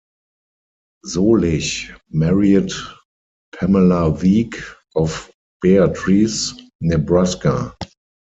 Solich married Pamela Wieck of Beatrice, Nebraska.